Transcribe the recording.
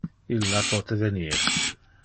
Illa pote venir.